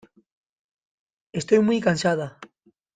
Estoy muy cansada.